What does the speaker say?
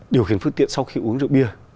điều khiển phương tiện sau khi uống rượu bia